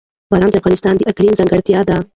باران د افغانستان د اقلیم ځانګړتیا ده.